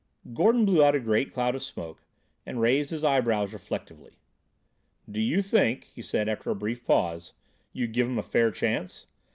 Gordon blew out a great cloud of smoke, and raised his eyebrows reflectively. "Do you think," he said after a brief pause, "you give 'em a fair chance?